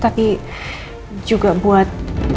tapi juga buat